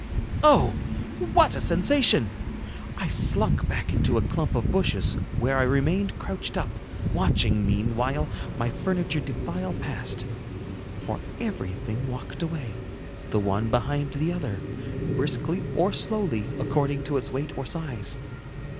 Oh! what a sensation! I slunk back into a clump of bushes where I remained crouched up, watching, meanwhile, my furniture defile past—for everything walked away, the one behind the other, briskly or slowly, according to its weight or size.